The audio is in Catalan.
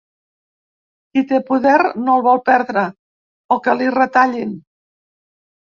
Qui té poder no el vol perdre o que li retallin.